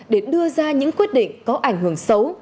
để đưa ra những quyết định có ảnh hưởng xấu